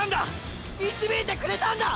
導いてくれたんだ！！